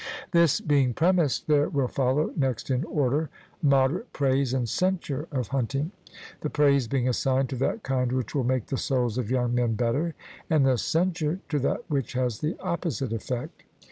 This being premised, there will follow next in order moderate praise and censure of hunting; the praise being assigned to that kind which will make the souls of young men better, and the censure to that which has the opposite effect.